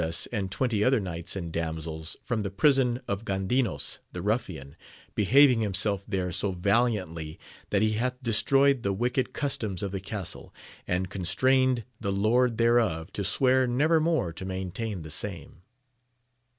287 US' and twenty other knights and damsels from the prison of Gandinos the ruffian, behaving himself there * so valiantly that he hath destroyed the wicked cus toms of the castle, and constrained the lord thereof to swear never more to maintain the same.